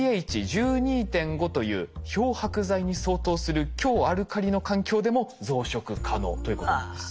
ｐＨ１２．５という漂白剤に相当する強アルカリの環境でも増殖可能ということなんです。